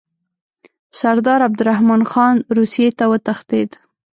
سردار عبدالرحمن خان روسیې ته وتښتېد.